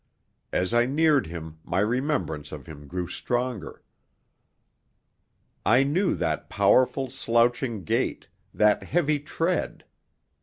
As I neared him my remembrance of him grew stronger. I knew that powerful, slouching gait, that heavy tread.